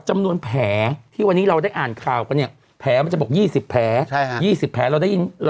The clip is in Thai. จำนวนแผลที่วันนี้เราได้อ่านข่าวก็นี่